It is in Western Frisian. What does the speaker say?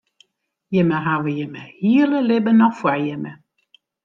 Jimme hawwe jimme hiele libben noch foar jimme.